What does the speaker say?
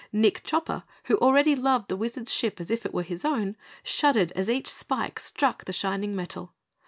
Nick Chopper, who already loved the Wizard's ship as if it were his own, shuddered as each spike struck the shining metal.